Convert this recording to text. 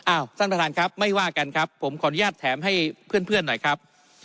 ท่านประธานครับไม่ว่ากันครับผมขออนุญาตแถมให้เพื่อนหน่อยครับ